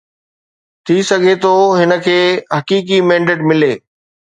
ٿي سگهي ٿو هن کي حقيقي مينڊيٽ ملي.